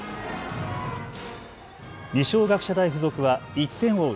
二松学舎大付属は１点を追う